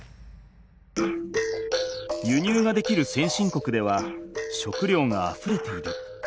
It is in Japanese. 輸入ができる先進国では食料があふれている。